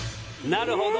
なるほど！